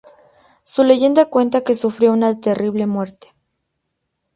Su leyenda cuenta que sufrió una terrible muerte.